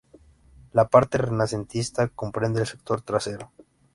La parte renacentista comprende el sector trasero.